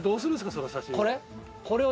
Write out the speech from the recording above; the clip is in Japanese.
その写真を。